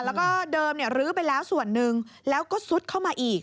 แล้วก็เดิมลื้อไปแล้วส่วนหนึ่งแล้วก็ซุดเข้ามาอีก